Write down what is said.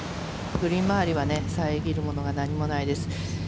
グリーン周りは遮るものが何もないです。